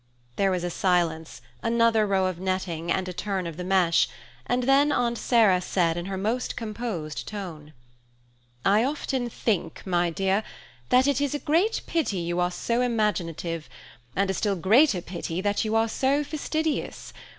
There was a silence, another row of netting and a turn of the mesh, and then Aunt Sarah said in her most composed tone: "I often think, my dear, that it is a great pity you are so imaginative, and a still greater pity that you are so fastidious.